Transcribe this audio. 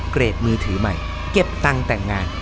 เกรดมือถือใหม่เก็บตังค์แต่งงาน